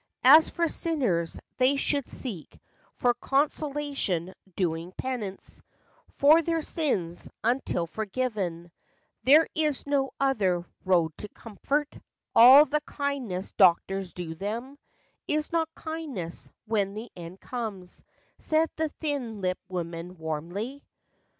As for sinners, they should seek for Consolation doing penance For their sins, until forgiven; There is no other road to comfort; All the kindness doctors do them Is not kindness, when the end comes," Said the thin lipped woman, warmly.